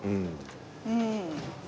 うん。